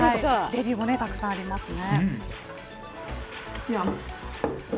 レビューもたくさんありますね。